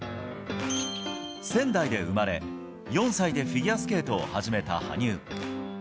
仙台で生まれ、４歳でフィギュアスケートを始めた羽生。